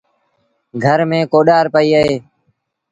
گھر ميݩ ڪوڏآر پئيٚ اهي۔